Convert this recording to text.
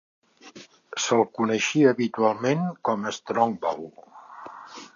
Se"l coneixia habitualment com Strongbow.